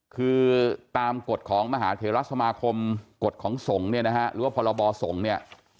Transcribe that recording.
คือตามกฎของมหาเทราสมาคมกฎของสงฆ์เนี่ยนะฮะหรือว่าพรบสงฆ์เนี่ย